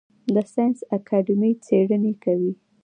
د ساینس اکاډمي څیړنې کوي؟